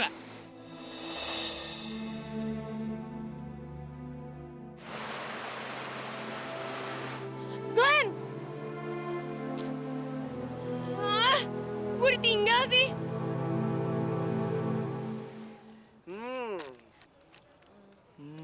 hah gue ditinggal sih